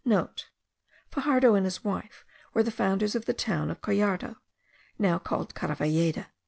(* Faxardo and his wife were the founders of the town of the Collado, now called Caravalleda.)